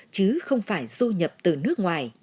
chứ không phải du nhập từ nước ngoài